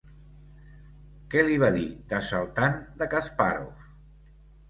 Què li va dir d'assaltant de Kaspàrov?